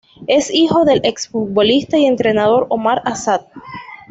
Es hijo del ex futbolista y entrenador Omar Asad.